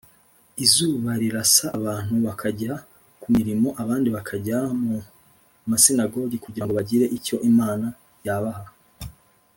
Izuba rirasa abantu bakajya ku mirimo abandi bakajya mu masinagogi kugirango bagire icyo imana ya baha